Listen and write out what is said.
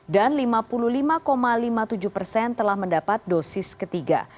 dan lima puluh lima lima puluh tujuh persen telah mendapat dosis ketiga